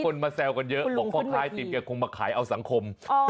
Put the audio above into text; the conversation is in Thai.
มาแซวกันเยอะบอกพ่อค้าไอติมแกคงมาขายเอาสังคม